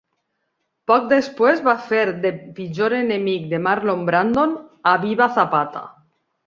Poc després, va fer de pitjor enemic de Marlon Brando a "Viva Zapata!".